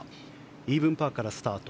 イーブンパーからスタート。